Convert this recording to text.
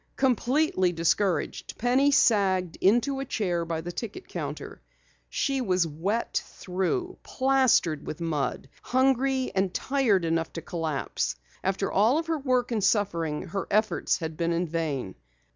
Completely discouraged, Penny sagged into a chair by the ticket counter. She was wet through, plastered with mud, hungry, and tired enough to collapse. After all of her work and suffering, her efforts had been in vain.